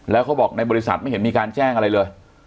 แล้วเขาบอกในบริษัทไม่เห็นมีการแจ้งอะไรเลย